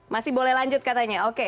masih boleh lanjut katanya